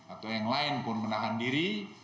atau yang lain pun menahan diri